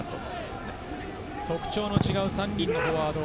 特徴の違う３人のフォワード。